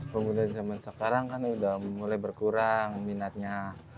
kemudian zaman sekarang kan sudah mulai berkurang minatnya